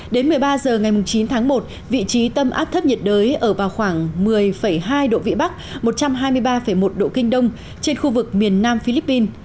đến một mươi ba h ngày chín tháng một vị trí tâm áp thấp nhiệt đới ở vào khoảng một mươi hai độ vĩ bắc một trăm hai mươi ba một độ kinh đông trên khu vực miền nam philippines